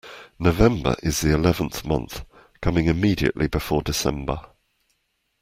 November is the eleventh month, coming immediately before December